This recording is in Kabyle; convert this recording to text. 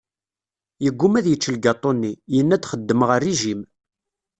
Yegguma ad yečč lgaṭu-nni, yenna-d xeddmeɣ rrijim.